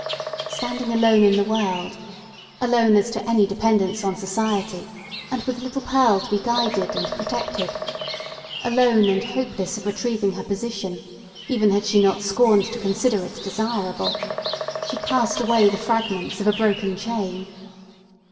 Standing alone in the world—alone, as to any dependence on society, and with little Pearl to be guided and protected—alone, and hopeless of retrieving her position, even had she not scorned to consider it desirable—she cast away the fragment of a broken chain.